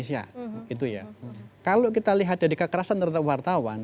jadi kalau kita lihat kekerasan pemidanaan wartawan